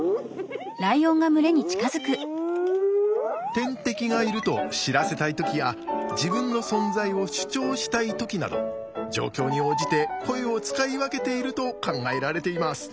天敵がいると知らせたい時や自分の存在を主張したい時など状況に応じて声を使い分けていると考えられています。